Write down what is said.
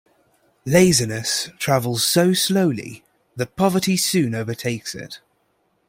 Laziness travels so slowly that poverty soon overtakes it.